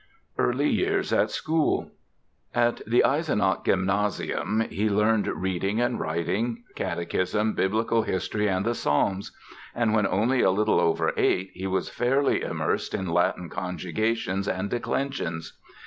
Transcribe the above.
EARLY YEARS AT SCHOOL At the Eisenach "Gymnasium" he learned reading and writing, catechism, Biblical history, and the Psalms. And when only a little over eight he was fairly immersed in Latin conjugations and declensions.